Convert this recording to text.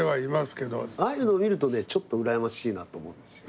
ああいうのを見るとねちょっとうらやましいなと思う。